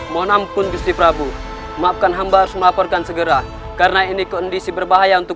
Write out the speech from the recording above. mohon ampun justru prabu maafkan hamba harus melaporkan segera karena ini kondisi berbahaya untuk